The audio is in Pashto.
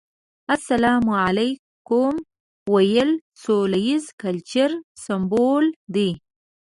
السلام عليکم ويل سوله ييز کلچر سمبول دی.